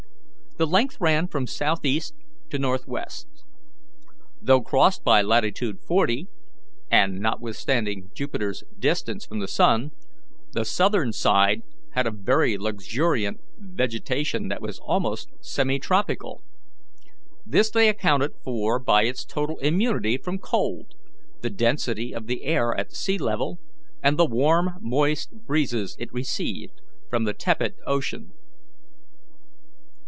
The length ran from southeast to northwest. Though crossed by latitude forty, and notwithstanding Jupiter's distance from the sun, the southern side had a very luxuriant vegetation that was almost semi tropical. This they accounted for by its total immunity from cold, the density of the air at sea level, and the warm moist breezes it received from the tepid ocean.